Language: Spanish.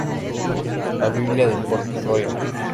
La Biblia de Port-Royal